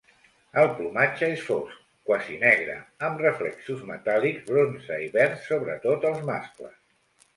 El plomatge és fosc, quasi negre, amb reflexos metàl·lics bronze i verds, sobretot els mascles.